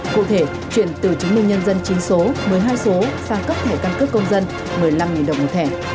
cụ thể chuyển từ chứng minh nhân dân chính số một mươi hai số sang cấp thẻ căn cước công dân một mươi năm đồng một thẻ